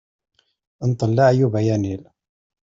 Nṭel leɛyub, ay anil.